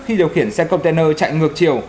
khi điều khiển xe container chạy ngược chiều